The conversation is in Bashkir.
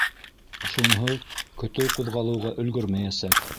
Шунһыҙ көтөү ҡуҙғалыуға өлгөрмәйәсәк.